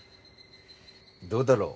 どうだろう？